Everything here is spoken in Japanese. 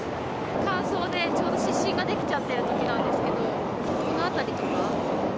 乾燥でちょっと湿疹が出来ちゃってるときなんですけど、この辺りとか。